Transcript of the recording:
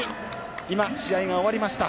今、試合が終わりました。